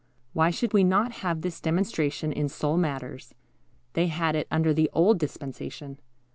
Why should we not have this demonstration in soul matters? They had it under the old dispensation.